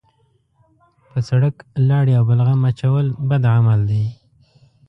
په سړک لاړې او بلغم اچول بد عمل دی.